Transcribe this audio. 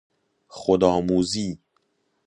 خودآموزی